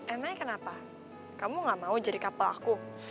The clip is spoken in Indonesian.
emang kenapa kamu gak mau jadi kapal aku